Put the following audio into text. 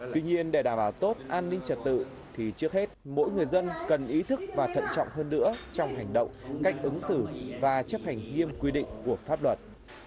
tuy nhiên để đảm bảo tốt an ninh trật tự thì trước hết mỗi người dân cần ý thức và thận trọng hơn nữa trong hành động cách ứng xử và chấp hành nghiêm quy định của pháp luật